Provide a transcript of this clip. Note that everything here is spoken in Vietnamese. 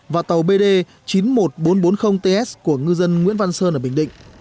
và tàu bd chín mươi một nghìn bốn trăm bốn mươi ts của ngư dân nguyễn văn sơn ở bình định